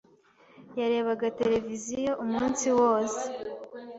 Yarebaga televiziyo umunsi wose.